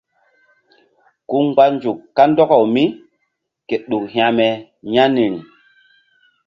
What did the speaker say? Ku mgba nzuk kandɔkaw mí ke ɗuk hekme ƴah niri.